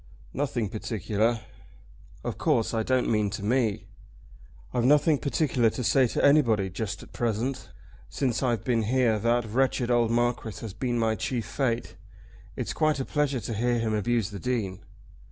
"Nothing particular." "Of course I don't mean to me." "I've nothing particular to say to anybody just at present. Since I've been here that wretched old Marquis has been my chief fate. It's quite a pleasure to hear him abuse the Dean."